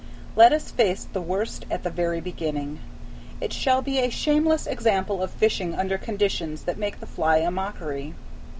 Let us face the worst at the very beginning. It shall be a shameless example of fishing under conditions that make the fly a mockery.